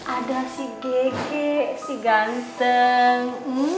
ada si gege si ganteng